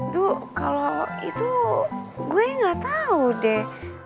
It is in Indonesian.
duh kalau itu gue gak tahu deh